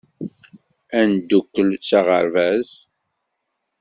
Ad neddukkel s aɣerbaz.